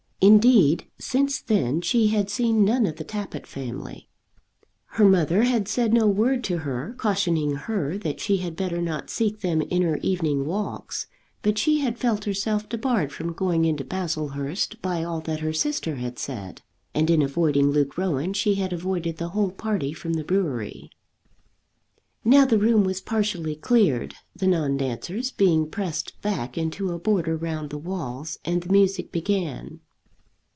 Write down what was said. Indeed, since then she had seen none of the Tappitt family. Her mother had said no word to her, cautioning her that she had better not seek them in her evening walks; but she had felt herself debarred from going into Baslehurst by all that her sister had said, and in avoiding Luke Rowan she had avoided the whole party from the brewery. Now the room was partially cleared, the non dancers being pressed back into a border round the walls, and the music began.